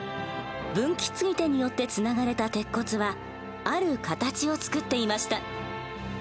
分岐継ぎ手によってつながれた鉄骨はある形を作っていました。